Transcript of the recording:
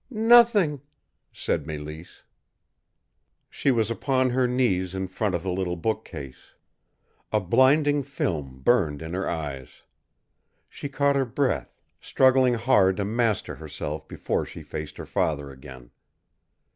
"Nothing," said Mélisse. She was upon her knees in front of the little bookcase. A blinding film burned in her eyes. She caught her breath, struggling hard to master herself before she faced her father again.